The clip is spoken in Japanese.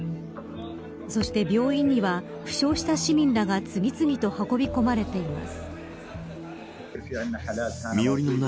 そして病院には負傷した市民らが次々と運び込まれています。